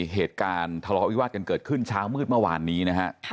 เหตุการณ์ทะเลาะวิวาสกันเกิดขึ้นเช้ามืดเมื่อวานนี้นะฮะ